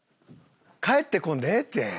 帰ってこんでええって。